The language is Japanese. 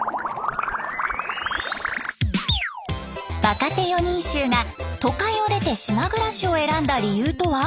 若手四人衆が都会を出て島暮らしを選んだ理由とは？